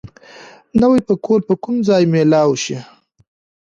نوی پکول به کوم ځای مېلاو شي؟